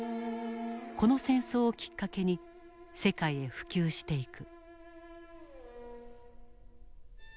この戦争をきっかけに世界へ普及していく。